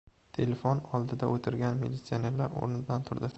Telefon oldida o‘tirgan militsionerlar o‘rnidan turdi.